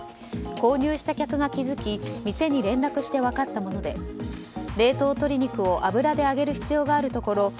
購入した客が気付き店に連絡して分かったもので冷凍鶏肉を油で揚げる必要があるところ